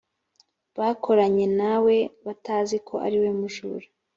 bakoranye nawe batazi ko ari umujura